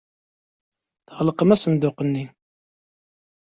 Tɣelqemt asenduq-nni.